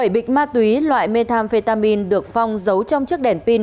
bảy bịch ma túy loại methamphetamin được phong giấu trong chiếc đèn pin